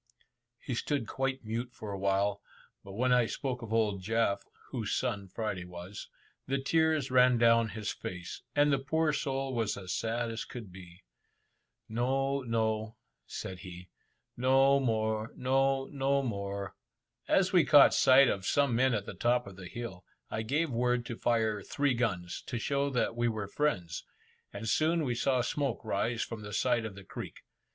He stood quite mute for a while, but when I spoke of old Jaf (whose son Friday was), the tears ran down his face, and the poor soul was as sad as could be. "No, no," said he, "no more, no, no more." As we caught sight of some men at the top of the hill, I gave word to fire three guns, to show that we were friends, and soon we saw smoke rise from the side of the creek.